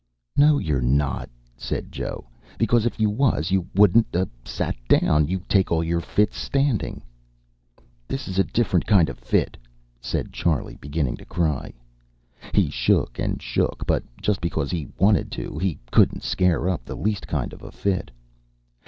"No, you're not," said Joe. "Because if you was you wouldn't 'a' sat down. You take all your fits standing." "This is a different kind of a fit," said Charley, beginning to cry. He shook and shook, but just because he wanted to he couldn't scare up the least kind of a fit.